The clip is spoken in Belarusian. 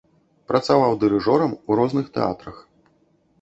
Працаваў дырыжорам у розных тэатрах.